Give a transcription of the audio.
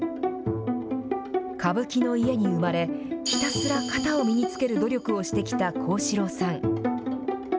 歌舞伎の家に生まれ、ひたすら型を身に着ける努力をしてきた幸四郎さん。